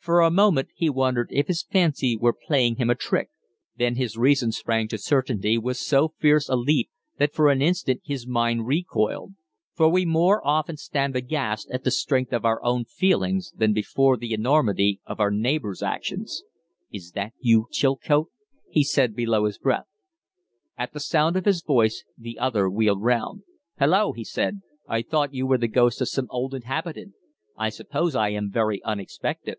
For a moment he wondered if his fancy were playing him a trick; then his reason sprang to certainty with so fierce a leap that for an instant his mind recoiled. For we more often stand aghast at the strength of our own feelings than before the enormity of our neighbor's actions. "Is that you, Chilcote?" he said, below his breath. At the sound of his voice the other wheeled round. "Hallo!" he said. "I thought you were the ghost of some old inhabitant. I suppose I am very unexpected?"